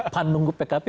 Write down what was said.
pan nunggu pkb